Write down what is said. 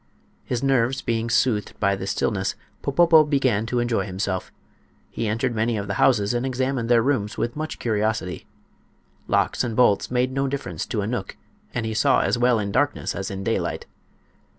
His nerves being soothed by the stillness, Popopo began to enjoy himself. He entered many of the houses and examined their rooms with much curiosity. Locks and bolts made no difference to a knook, and he saw as well in darkness as in daylight.